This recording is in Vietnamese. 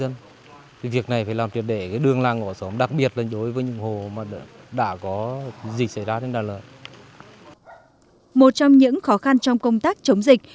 một trong những khó khăn trong công tác chống dịch